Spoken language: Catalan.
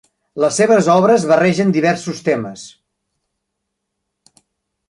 Les seves obres barregen diversos temes.